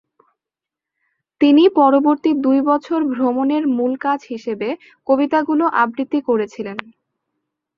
তিনি পরবর্তী দুই বছর ভ্রমণের মূল কাজ হিসাবে কবিতাগুলো আবৃত্তি করেছিলেন।